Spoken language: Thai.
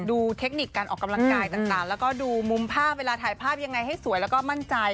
เทคนิคการออกกำลังกายต่างแล้วก็ดูมุมภาพเวลาถ่ายภาพยังไงให้สวยแล้วก็มั่นใจ